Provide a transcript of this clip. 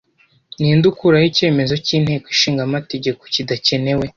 Ninde ukuraho icyemezo cyinteko ishinga amategeko kidakenewe